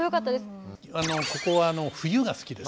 ここは冬が好きです。